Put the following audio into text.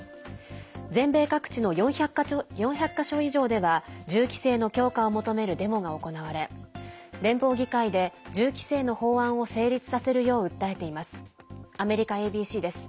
全米各地の４００か所以上では銃規制の強化を求めるデモが行われ連邦議会で銃規制の法案を成立させるよう訴えています。